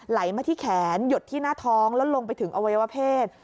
ไหลมาที่แขนหยดที่หน้าท้องแล้วลงไปถึงอวัยวเพศ